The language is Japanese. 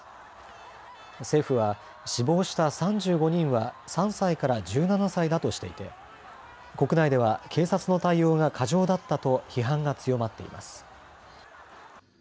政府は死亡した３５人は３歳から１７歳だとしていて国内では警察の対応が過剰だったと批判が強まっています。